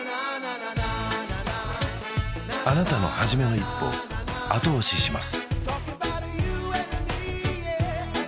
あなたの初めの１歩後押しします